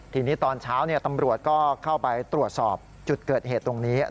ทีนี้ตอนเช้าตำรวจก็เข้าไปตรวจสอบจุดเกิดเหตุตรงนี้